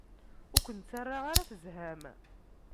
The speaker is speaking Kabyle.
Ur ken-ttaraɣ ara tezham.